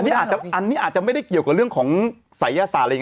อันนี้อาจจะอันนี้อาจจะไม่ได้เกี่ยวกับเรื่องของศัยยศาสตร์อะไรอย่างนี้